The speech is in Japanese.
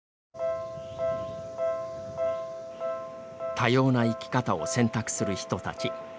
多様な生き方を選択する人たち。